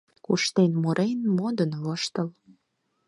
Куштен-мурен, модын-воштыл